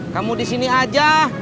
kamu disini aja